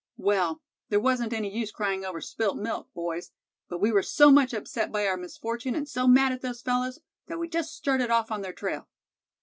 Well, there wasn't any use crying over spilt milk, boys. But we were so much upset by our misfortune, and so mad at those fellows, that we just started off on their trail."